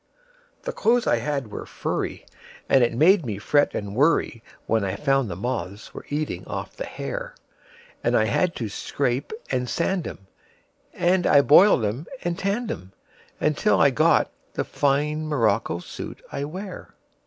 The clothes I had were furry, And it made me fret and worryWhen I found the moths were eating off the hair; And I had to scrape and sand 'em, And I boiled 'em and I tanned 'em, Till I got the fine morocco suit I wear.